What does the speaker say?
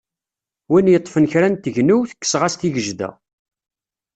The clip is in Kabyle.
Win yeṭṭfen kra n tegnewt, kkseɣ-as tigejda.